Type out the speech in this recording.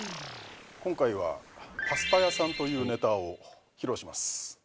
今回は「パスタ屋さん」というネタを披露します